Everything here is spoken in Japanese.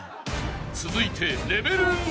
［続いてレベル２］